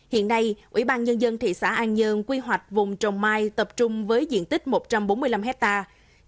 hiện nay ủy ban nhân dân thị xã an dương quy hoạch vùng trồng mai tập trung với diện tích một trăm bốn mươi năm hectare